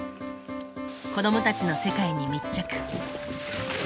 子どもたちの世界に密着。